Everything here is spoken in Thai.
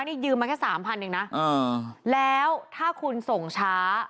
นี่ยืมมาแค่สามพันเองนะแล้วถ้าคุณส่งช้า